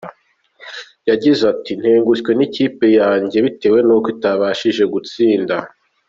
Yagize ati "Ntengushwe n’ikipe yanjye bitewe n’uko itabashije gutsinda.